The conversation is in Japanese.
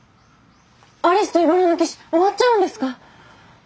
「アリスといばらの騎士」終わっちゃうんですか？